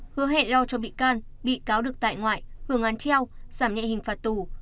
hứa hẹn lo cho bị can bị cáo được tại ngoại hưởng án treo giảm nhẹ hình phạt tù